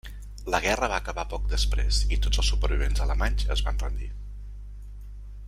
La guerra va acabar poc després i tots els supervivents alemanys es van rendir.